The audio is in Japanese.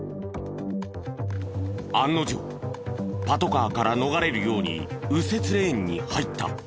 案の定パトカーから逃れるように右折レーンに入った。